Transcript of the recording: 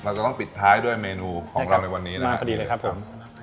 จะต้องปิดท้ายด้วยเมนูของเราในวันนี้นะครับสวัสดีเลยครับผม